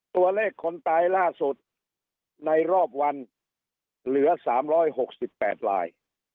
ตัวเลขคนตายล่าสุดในรอบวันเหลือสามร้อยหกสิบแปดลาย